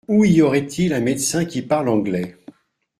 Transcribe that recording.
Où y aurait-il un médecin qui parle anglais ?